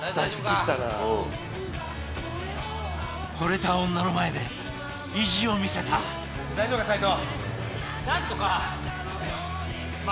惚れた女の前で意地を見せた大丈夫か斉藤？